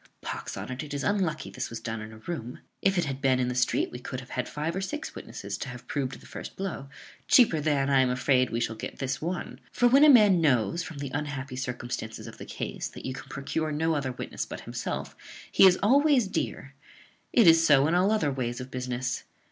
Pox on't, it is unlucky this was done in a room: if it had been in the street we could have had five or six witnesses to have proved the first blow, cheaper than, I am afraid, we shall get this one; for when a man knows, from the unhappy circumstances of the case, that you can procure no other witness but himself, he is always dear. It is so in all other ways of business.